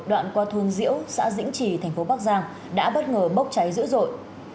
đoạn qua thung diễu xã dĩnh trì thành phố bắc giang đã bất ngờ bốc cháy dữ dội